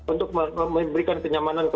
untuk memberikan kenyamanan